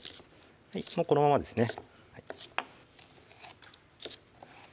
もうこのままですね